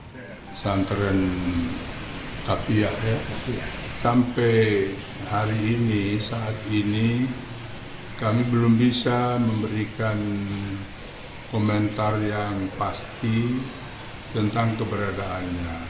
pesantren tapiah ya sampai hari ini saat ini kami belum bisa memberikan komentar yang pasti tentang keberadaannya